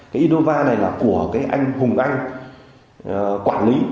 cái indonesia này là của cái anh hùng anh quản lý